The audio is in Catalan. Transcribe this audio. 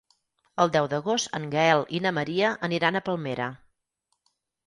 El deu d'agost en Gaël i na Maria aniran a Palmera.